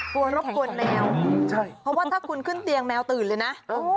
กลัวรบกวนแมวเพราะถ้าคุณขึ้นเตียงแมวตื่นเลยนะ